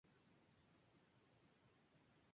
El estilo de la construcción fue el gótico.